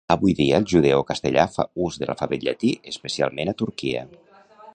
Avui dia, el judeocastellà fa ús de l'alfabet llatí, especialment a Turquia.